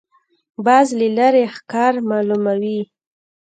باز له لرې ښکار معلوموي